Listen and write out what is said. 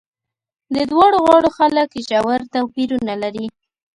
د دواړو غاړو خلک ژور توپیرونه لري.